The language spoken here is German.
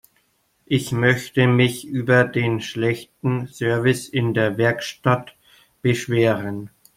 Ich möchte mich über den schlechten Service in der Werkstatt beschweren.